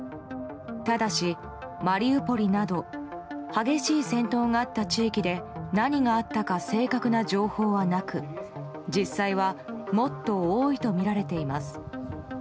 ただし、マリウポリなど激しい戦闘があった地域で何があったか正確な情報はなく実際はもっと多いとみられています。